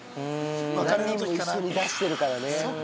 何人も一緒に出してるからね。